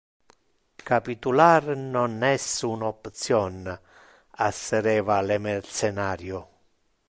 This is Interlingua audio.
"Capitular non es un option", assereva le mercenario.